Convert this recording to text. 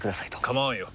構わんよ。